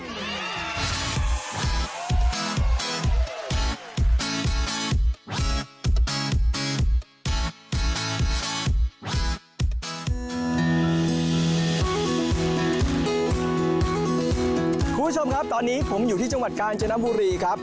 คุณผู้ชมครับตอนนี้ผมอยู่ที่จังหวัดกาญจนบุรีครับ